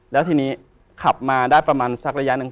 แล้วทีนี้ขับมาได้ประมาณสักระยะหนึ่ง